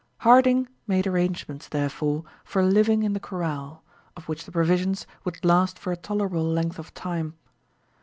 Harding made arrangements, therefore, for living in the corral, of which the provisions would last for a tolerable length of time.